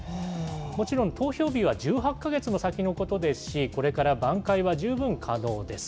もちろん、投票日は１８か月も先のことですし、これから挽回は十分可能です。